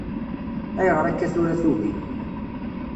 Ayɣeṛ akka tura tugi.